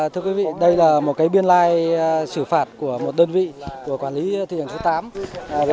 thưa quý vị đây là một biên lai xử phạt của một đơn vị của quản lý thị trường số tám